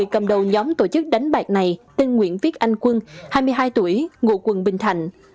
cầm đầu nhóm tổ chức đánh bạc này tên nguyễn viết anh quân hai mươi hai tuổi ngụ quận bình thạnh